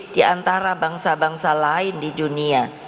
di antara bangsa bangsa lain di dunia